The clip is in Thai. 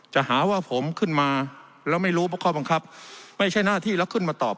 จะหาว่าผมขึ้นมาแล้วไม่รู้ข้อบังคับไม่ใช่หน้าที่แล้วขึ้นมาตอบ